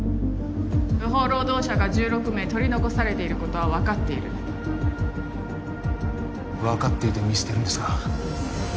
不法労働者が１６名取り残されていることは分かっている分かっていて見捨てるんですか？